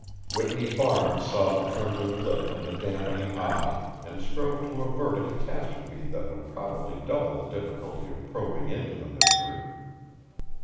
Whitney Barnes saw the trembling lip and the dampening eye and strove to avert a catastrophe that would probably double the difficulty of probing into the mystery.